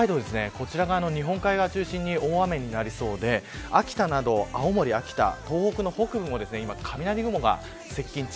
こちらが日本海側を中心に大雨になりそうで青森、秋田、東北の北部も今、雷雲が接近中。